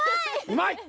うまい！